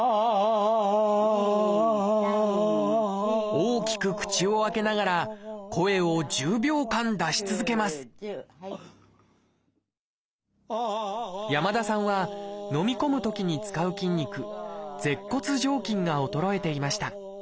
大きく口を開けながら声を１０秒間出し続けます山田さんはのみ込むときに使う筋肉「舌骨上筋」が衰えていました。